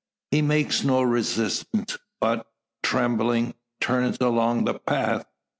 He makes no resistance, but, trembling, turns along the path.